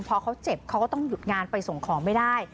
พอเขาเจ็บเขาก็ต้องหยุดงานไปส่งของไม่ได้